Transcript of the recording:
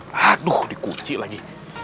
haduh dikunci lagi